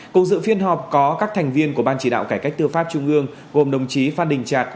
cùng dự phiên họp có các thành viên của ban chỉ đạo cải cách tư pháp trung ương gồm đồng chí phan đình trạc